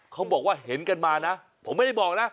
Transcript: เขาบอกว่าเห็นกันมานะผมไม่ได้บอกนะ